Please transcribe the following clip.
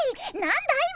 何だい？